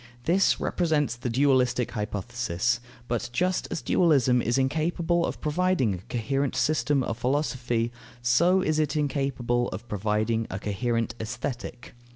This represents the dualistic hypothesis. But just as dualism is incapable of providing a coherent system of philosophy, so is it incapable of providing a coherent Aesthetic.